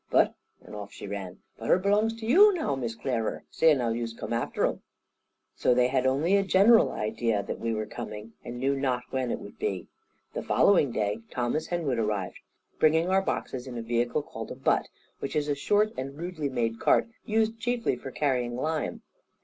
But" and off she ran "But her belongs to you now, Miss Clerer, seeing as how you've coom after un." So they had only a general idea that we were coming, and knew not when it would be. The following day, Thomas Henwood arrived, bringing our boxes in a vehicle called a "butt," which is a short and rudely made cart, used chiefly for carrying lime.